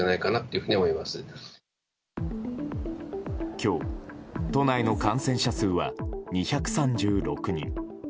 今日、都内の感染者数は２３６人。